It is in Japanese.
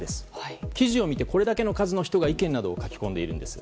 記事を見てこれだけの人が意見を書き込んでいます。